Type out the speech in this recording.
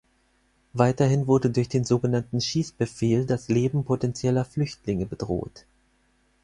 Weiterhin wurde durch den sogenannten Schießbefehl das Leben potentieller Flüchtlinge bedroht.